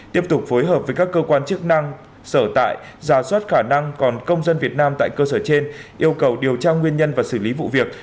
tiếp tục phối hợp với các cơ quan chức năng sở tại giả soát khả năng còn công dân việt nam tại cơ sở trên yêu cầu điều tra nguyên nhân và xử lý vụ việc